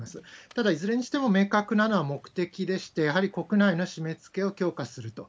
ただ、いずれにしても明確なのは目的でして、やはり国内の締め付けを強化すると。